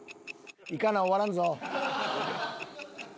いかな終わらんぞ。